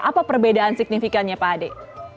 apa perbedaan signifikannya pak ade